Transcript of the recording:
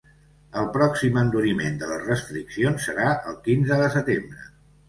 El pròxim enduriment de les restriccions serà el quinze de setembre.